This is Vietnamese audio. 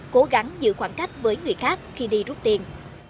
cố gắng giữ khoảng cách với người khác khi đi rút tiền